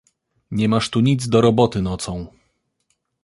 "Nie masz tu nic do roboty nocą."